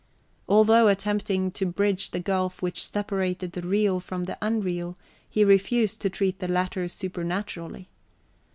Although attempting to bridge the gulf which separated the real from the unreal, he refused to treat the latter supernaturally.